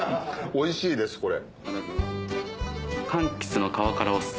おいしいですこれ。